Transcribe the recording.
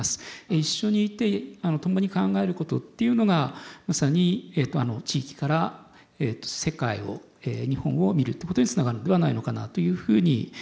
一緒にいて共に考えることっていうのがまさに地域から世界を日本を見るってことにつながるのではないのかなというふうに思いました。